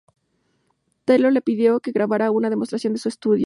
Taylor le pidió que grabara una demostración en su estudio.